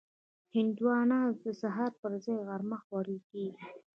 هندوانه د سهار پر ځای غرمه خوړل کېږي.